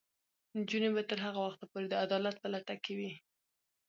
نجونې به تر هغه وخته پورې د عدالت په لټه کې وي.